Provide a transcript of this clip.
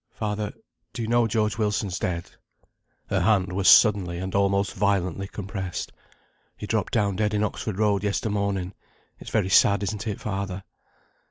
"Father, do you know George Wilson's dead?" (Her hand was suddenly and almost violently compressed.) "He dropped down dead in Oxford Road yester morning. It's very sad, isn't it, father?"